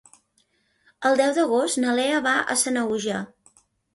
El deu d'agost na Lea va a Sanaüja.